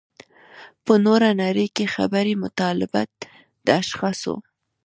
په نوره نړۍ کې خبري مطالب د اشخاصو.